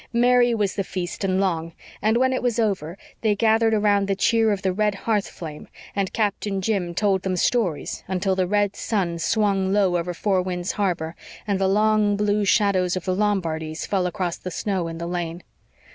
Merry was the feast and long; and when it was over they gathered around the cheer of the red hearth flame and Captain Jim told them stories until the red sun swung low over Four Winds Harbor, and the long blue shadows of the Lombardies fell across the snow in the lane.